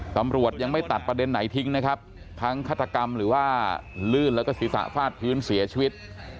ตำรวจยังไม่ตัดประเด็นไหนทิ้งนะครับทั้งฆาตกรรมหรือว่าลื่นแล้วก็ศีรษะฟาดพื้นเสียชีวิต